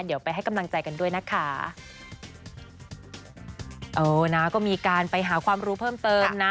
เดี๋ยวไปให้กำลังใจกันด้วยนะคะเออนะก็มีการไปหาความรู้เพิ่มเติมนะ